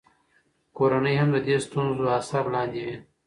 کورنۍ هم د دې ستونزو اثر لاندې وي.